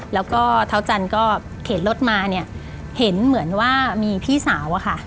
แล้วก็เท้าจันเข็นรถมาเห็นเหมือนว่ามีพี่สาวค่ะ